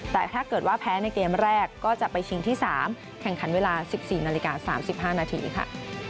แต่ถ้าเกิดว่าแพ้ในเกมแรกก็จะไปชิงที่๓แข่งขันเวลา๑๔นาฬิกา๓๕นาทีค่ะ